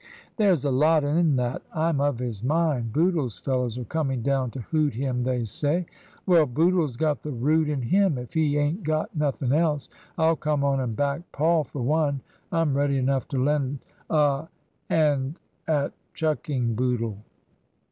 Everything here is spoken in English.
"There's a lot in that. I'm of his mind. Bootle's fellows are coming down to hoot him they say." " Well ! Bootle's got the Root in him if he ain't got nothing else. I'll come on and back Paul for one. I'm ready enough to lend a 'and at chucking Bootle."